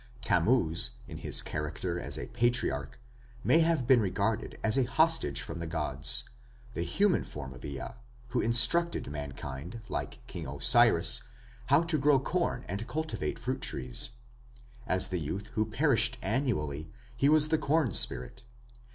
Tammuz, in his character as a patriarch, may have been regarded as a hostage from the gods: the human form of Ea, who instructed mankind, like King Osiris, how to grow corn and cultivate fruit trees. As the youth who perished annually, he was the corn spirit.